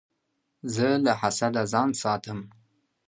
زه له حسده ځان ساتم.